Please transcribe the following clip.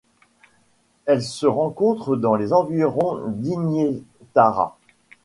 Elle se rencontre dans les environs d'Yinnietharra.